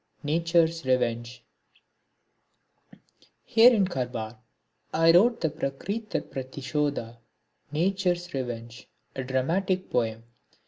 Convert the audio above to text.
(37) Nature's Revenge Here in Karwar I wrote the Prakritir Pratishodha, Nature's Revenge, a dramatic poem.